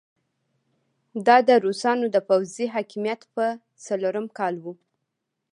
دا د روسانو د پوځي حاکميت په څلورم کال وو.